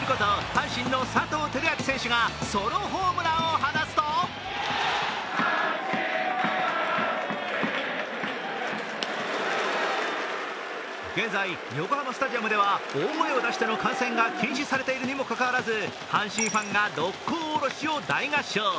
阪神の佐藤輝明選手がソロホームランを放つと現在、横浜スタジアムでは大声を出しての観戦が禁止されているにもかかわらず阪神ファンが「六甲おろし」を大合唱。